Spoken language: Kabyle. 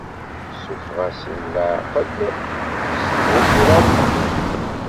Ssufeɣ-asen leɛqel s tbuciḍant-ik.